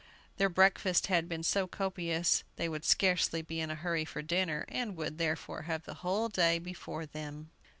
Their breakfast had been so copious, they would scarcely be in a hurry for dinner, and would, therefore, have the whole day before them.